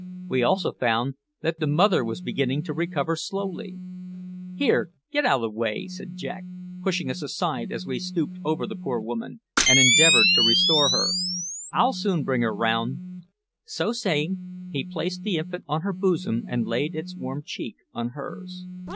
We also found that the mother was beginning to recover slowly. "Here, get out o' the way," said Jack, pushing us aside as we stooped over the poor woman and endeavoured to restore her; "I'll soon bring her round." So saying, he placed the infant on her bosom and laid its warm cheek on hers.